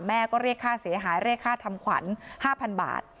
แม่ก็เรียกค่าเสียหายเรียกค่าทำขวัญ๕๐๐๐บาท